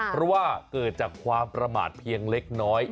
เพราะว่าเกิดจากความประมาทเพียงเล็กน้อย